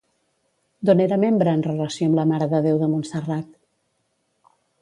D'on era membre en relació amb la Mare de Déu de Montserrat?